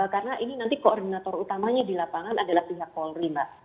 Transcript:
karena ini nanti koordinator utamanya di lapangan adalah pihak polri mbak